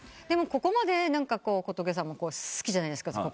でもここまで小峠さんも好きじゃないですか。